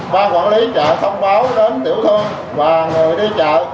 ban quản lý chợ thông báo đến tiểu thương và người đi chợ